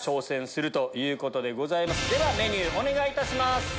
ではメニューお願いいたします。